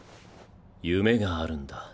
夢があるんだ。